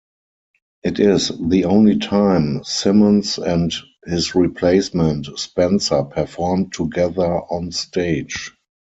It is the only time Symons and his replacement, Spencer performed together on stage.